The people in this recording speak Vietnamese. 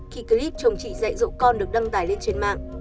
khi clip chồng chị dậy dỗ con được đăng tải lên trên mạng